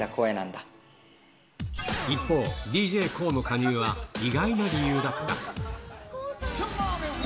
一方、ＤＪＫＯＯの加入は、意外な理由だった。